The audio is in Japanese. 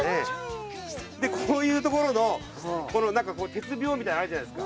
こういう所のなんか鉄鋲みたいなのあるじゃないですか。